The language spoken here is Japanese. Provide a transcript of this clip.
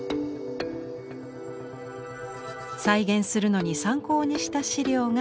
再現するのに参考にした資料がこちら。